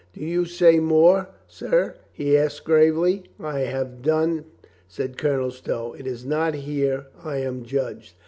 "Do you say more, sir?" he asked gravely. "I have done," said Colonel Stow. "It is not here I am judged."